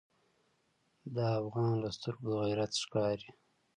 د افغان له سترګو غیرت ښکاري.